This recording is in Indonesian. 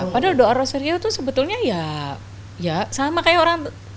padahal doa rosario itu sebetulnya ya sama kayak orang